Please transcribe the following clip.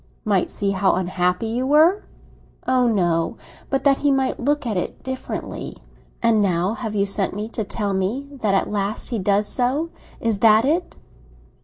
"Might see how unhappy you were?" "Oh no! But that he might look at it differently." "And now you have sent for me to tell me that at last he does so. Is that it?"